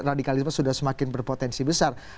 radikalisme sudah semakin berpotensi besar